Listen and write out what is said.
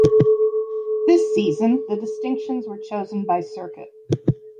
This season, the distinctions were chosen by circuit.